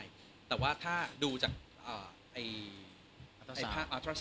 เพราะว่ามันอีกสักเดือนหนึ่งถึงจะตรวจ